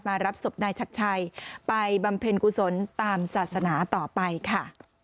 รับศพนายชัดชัยไปบำเพ็ญกุศลตามศาสนาต่อไปค่ะ